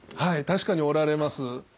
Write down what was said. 確かにおられます。